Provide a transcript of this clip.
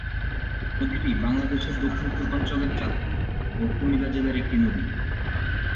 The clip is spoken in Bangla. নদীটি বাংলাদেশের দক্ষিণ-পূর্বাঞ্চলের চাঁদপুর ও কুমিল্লা জেলার একটি নদী।